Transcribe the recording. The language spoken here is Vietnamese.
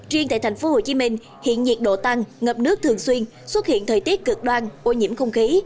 riêng tại thành phố hồ chí minh hiện nhiệt độ tăng ngập nước thường xuyên xuất hiện thời tiết cực đoan ô nhiễm không khí